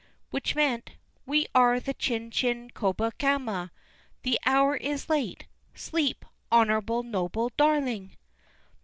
— Which meant: "We are the Chin chin Kobakama; the hour is late; sleep, honorable, noble darling!"